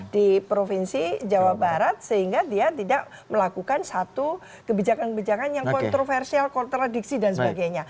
di provinsi jawa barat sehingga dia tidak melakukan satu kebijakan kebijakan yang kontroversial kontradiksi dan sebagainya